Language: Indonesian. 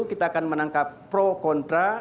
kita akan menangkap pro kontra